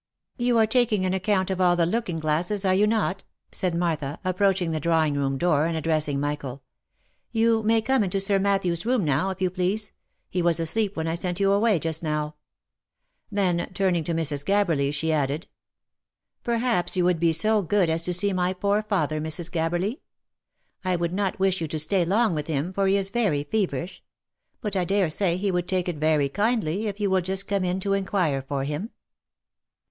" You are taking an account of all the looking glasses, are you not?" said Martha, approaching the drawing room door and address ing Michael. " You may come into Sir Matthew's room now, if you please. He was asleep when I sent you away just now." Then, turning to Mrs. Gabberly, she added —" Perhaps you would be so OF MICHAEL ARMSTRONG. 349 good as to see my poor father, Mrs. Gabberly ? I would not wish you to stay long with him, for he is very feverish; but I dare say he would take it very kindly if you will just come in to inquire for him."